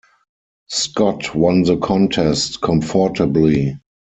Scott won the contest comfortably.